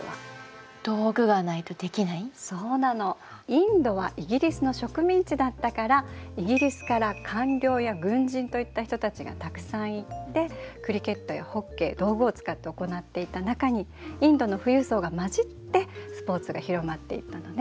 インドはイギリスの植民地だったからイギリスから官僚や軍人といった人たちがたくさん行ってクリケットやホッケー道具を使って行っていた中にインドの富裕層が混じってスポーツが広まっていったのね。